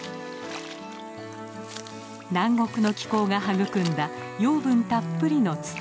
南国の気候が育んだ養分たっぷりの土。